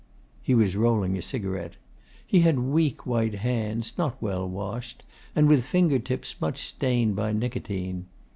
He was rolling a cigarette. He had weak white hands, not well washed, and with finger tips much stained by nicotine.